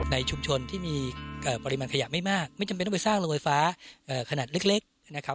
ในชุมชนที่มีปริมาณขยะไม่มากไม่จำเป็นต้องไปสร้างโรงไฟฟ้าขนาดเล็กนะครับ